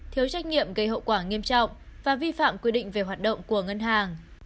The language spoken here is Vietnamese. thiếu trách nhiệm gây hậu quả nghiêm trọng và vi phạm quy định về hoạt động của ngân hàng